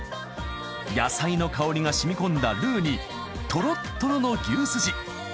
野菜の香りが染み込んだルーにトロットロの牛すじ。